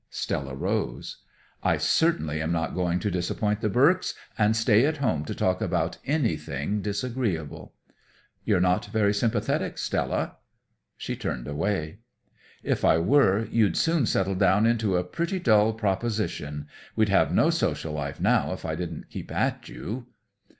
Stella rose. "I certainly am not going to disappoint the Burks and stay at home to talk about anything disagreeable." "You're not very sympathetic, Stella." She turned away. "If I were, you'd soon settle down into a pretty dull proposition. We'd have no social life now if I didn't keep at you."